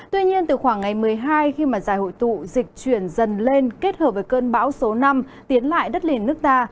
tuy nhiên từ khoảng ngày một mươi hai khi mà giải hội tụ dịch chuyển dần lên kết hợp với cơn bão số năm tiến lại đất liền nước ta